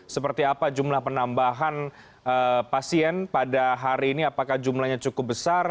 seperti apa jumlah penambahan pasien pada hari ini apakah jumlahnya cukup besar